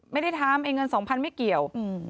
ไม่ได้ทำไอ้เงิน๒๐๐ไม่เกี่ยว